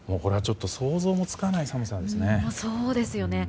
想像もつかない寒さですね。